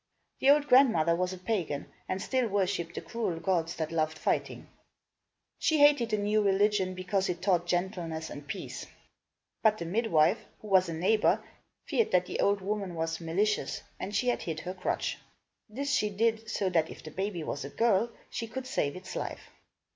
The old grandmother was a pagan and still worshipped the cruel gods that loved fighting. She hated the new religion, because it taught gentleness and peace. But the midwife, who was a neighbor, feared that the old woman was malicious and she had hid her crutch. This she did, so that if the baby was a girl, she could save its life.